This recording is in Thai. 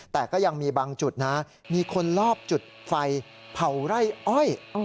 แต่ก็ยังมีบางจุดนะมีคนรอบจุดไฟเผาไร่อ้อย